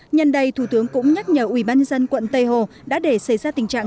nhân đây thủ tướng cũng nhắc nhở ubnd quận tây hồ đã để xảy ra tình trạng